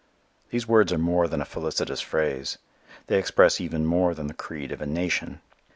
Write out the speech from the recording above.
The words are more than a felicitous phrase. They express even more than the creed of a nation.